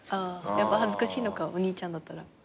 やっぱ恥ずかしいのかお兄ちゃんだったら。